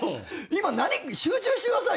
今集中してくださいよ！